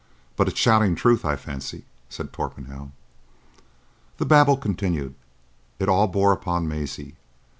But it's shouting truth, I fancy," said Torpenhow. The babble continued. It all bore upon Maisie.